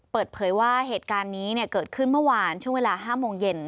เปิดเผยว่าเหตุการณ์นี้เกิดขึ้นเมื่อวานช่วงเวลา๕โมงเย็น